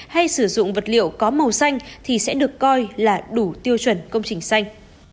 hay sử dụng vật liệu có màu xanh thì sẽ được coi là đủ tiêu chuẩn công trình xanh